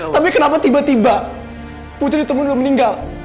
tapi kenapa tiba tiba putri ditemuin udah meninggal